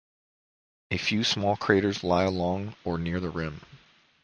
A few small craters lie along or near the rim.